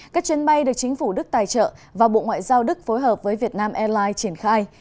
các chuyến bay được chính phủ đức tài trợ và bộ ngoại giao đức phối hợp với việt nam airlines triển khai